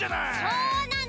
そうなの！